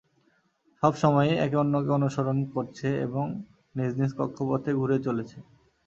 সব সময়ই একে অন্যকে অনুসরণ করছে এবং নিজ নিজ কক্ষপথে ঘুরে চলেছে।